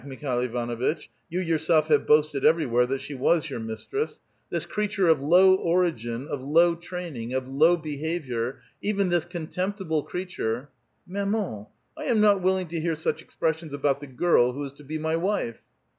Mi kh:Mkl Ivanuitch — you yourself have boasted everywhere that she was your mistress, — this creature of low origin, of low ti'aining, of low behavior — even this contemptible crea ture —"" Maman^ I am not willing to hear such exj ressions about the girl who is to be my wife."